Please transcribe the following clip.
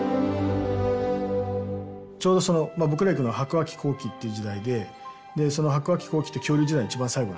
ちょうど僕らが行くのが白亜紀後期って時代でその白亜紀後期って恐竜時代の一番最後なんですよね。